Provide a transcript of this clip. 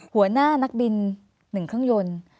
หัวหน้านักบิน๑เครื่องยนต์